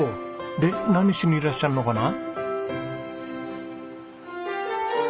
で何しにいらっしゃるのかな？